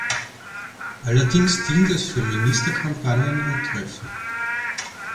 Allerdings dient es für Ministerkampagnen und -treffen.